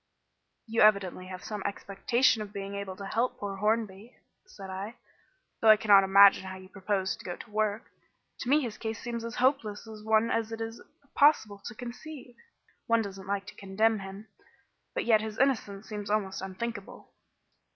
"You evidently have some expectation of being able to help poor Hornby," said I, "though I cannot imagine how you propose to go to work. To me his case seems as hopeless a one as it is possible to conceive. One doesn't like to condemn him, but yet his innocence seems almost unthinkable."